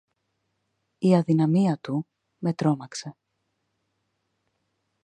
Η αδυναμία του με τρόμαξε